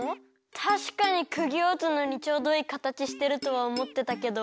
たしかにくぎをうつのにちょうどいいかたちしてるとはおもってたけど。